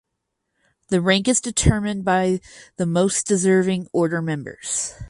The rank is determined by the most deserving order members.